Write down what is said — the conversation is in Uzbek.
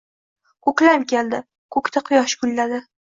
Ko’klam keldi, ko’kda quyosh gulladi